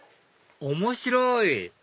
面白い！